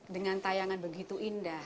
dengan tayangan begitu indah